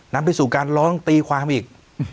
นำไปสู่การร้องตีความอีก